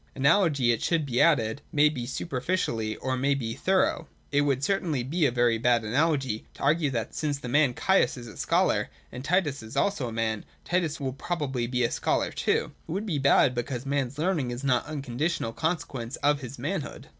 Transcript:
Analogy it should be added may be superficial or it may be thorough. It would certainly be a very bad analogy to argue that since the man Caius is a scholar, and Titus also is a man, Titus will probably be a scholar too : and it would be bad because a man's learning is not an unconditional consequence of his manhood.